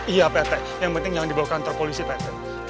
iya pak rt yang penting jangan dibawa ke kantor polisi pak rt